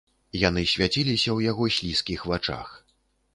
Яны свяціліся ў яго слізкіх вачах.